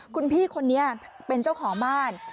คุณพี่คนนี้เป็นเจ้าของบ้าน